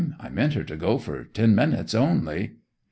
I meant her to go for ten minutes only.